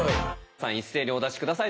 さあ一斉にお出し下さい。